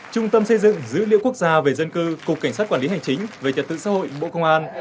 trung tâm xây dựng dữ liệu quốc gia về dân cư cục cảnh sát quản lý hành chính về trật tự xã hội bộ công an